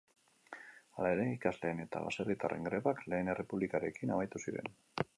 Hala ere ikasleen eta baserritarren grebak lehen errepublikarekin amaitu ziren.